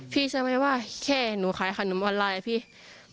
พี่เชื่อไม่ว่าแค่หนูขายขนมออนไลน์